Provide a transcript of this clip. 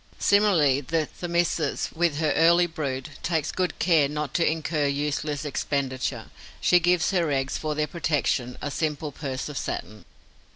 Similarly, the Thomisus, with her early brood, takes good care not to incur useless expenditure: she gives her eggs, for their protection, a simple purse of satin.